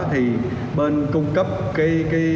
thì bên cung cấp cái cá nhân đó